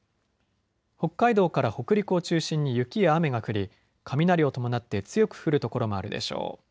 北海道から北陸を中心に雪や雨が降り雷を伴って強く降る所もあるでしょう。